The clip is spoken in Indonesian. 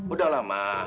udah lah ma